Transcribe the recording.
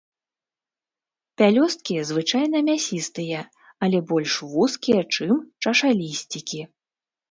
Пялёсткі звычайна мясістыя, але больш вузкія, чым чашалісцікі.